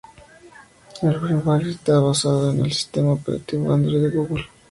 El firmware está basado en el sistema operativo Android de Google.